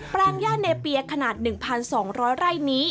แปลงย่าเนเปียขนาด๑๒๐๐ไร่นี้